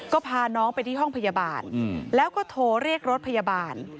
ก็พาน้องไปที่ห้องพยาบาลแล้วก็โทรเรียกรถพยาบาล